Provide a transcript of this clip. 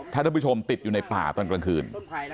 ถ้าท่านผู้ชมติดอยู่ในป่าตอนกลางคืน